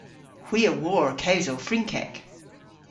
Hwi a wor kewsel Frynkek.